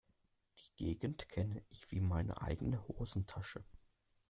Die Gegend kenne ich wie meine eigene Hosentasche.